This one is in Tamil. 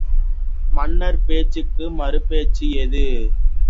மன்னர் பேச்சுக்கு மறுபேச்சு ஏது?